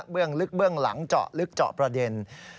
ลึกเบื้องหลังเจาะลึกเจาะประเด็น